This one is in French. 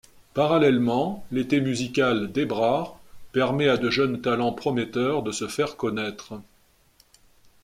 Parallèlement, l’Eté musical d’Ebrach permet à de jeunes talents prometteurs de se faire connaître.